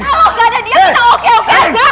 kalau gak ada dia kita oke oke aja